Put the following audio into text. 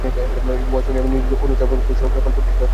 উহা শুনিয়া সে নিজ অনুচরবর্গকে সকল পুরুষ-শিশু হত্যা করিবার আদেশ দিল।